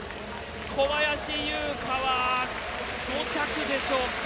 小林優香は５着でしょうか。